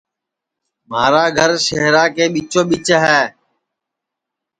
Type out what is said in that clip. مھارا گھر شہرا کے ٻیچو ٻیچ ہے